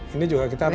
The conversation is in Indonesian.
ini juga kita harus